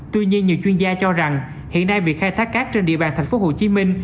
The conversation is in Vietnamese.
tuy nhiên nhiều chuyên gia cho rằng hiện nay việc khai thác cát trên địa bàn tp hcm